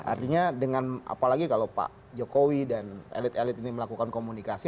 artinya dengan apalagi kalau pak jokowi dan elit elit ini melakukan komunikasi